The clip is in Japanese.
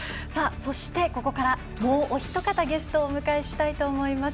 そして、ここからもうお一方ゲストをお迎えしたいと思います。